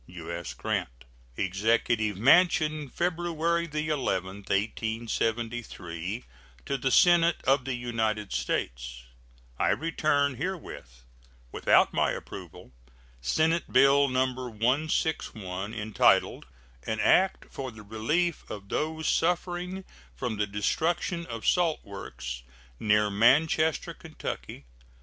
U.S. GRANT. EXECUTIVE MANSION, February 11, 1873. To the Senate of the United States: I return herewith without my approval Senate bill No. 161, entitled "An act for the relief of those suffering from the destruction of salt works near Manchester, Ky.